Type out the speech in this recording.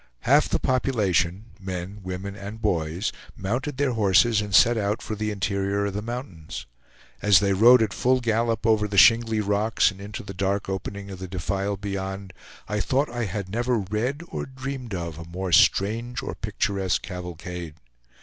Half the population, men, women and boys, mounted their horses and set out for the interior of the mountains. As they rode at full gallop over the shingly rocks and into the dark opening of the defile beyond, I thought I had never read or dreamed of a more strange or picturesque cavalcade.